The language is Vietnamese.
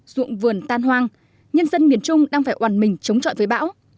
ruộng vườn tan hoang nhân dân miền trung đang phải oàn mình chống trọi với bão